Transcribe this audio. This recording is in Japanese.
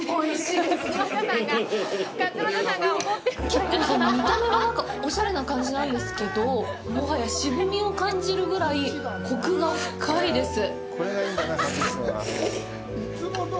結構、見た目はおしゃれな感じなんですけどもはや渋みを感じるぐらいコクが深いです。